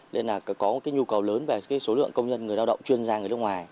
nên có nhu cầu lớn về số lượng công nhân người lao động chuyên gia người nước ngoài